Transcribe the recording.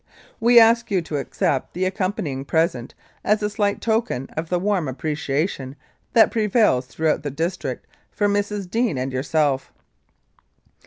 "We ask you to accept the accompanying present, as a slight token of the warm appreciation that prevails throughout the district for Mrs. Deane and yourself.